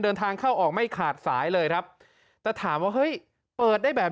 เดินทางเข้าออกไม่ขาดสายเลยครับแต่ถามว่าเฮ้ยเปิดได้แบบ